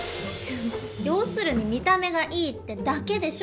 要するに見た目がいいってだけでしょ。